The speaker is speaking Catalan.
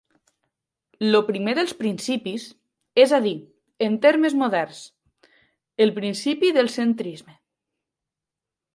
El primer dels principis -és a dir, en termes moderns, el principi del centrisme.